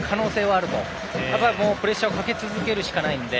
あとはプレッシャーをかけ続けるしかないので。